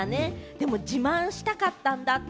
でも、自慢したかったんだって。